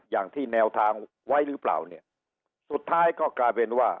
อย่างที่แนวทางไว้หรือเปล่าเนี่ยสุดท้ายก็กลายเป็นว่า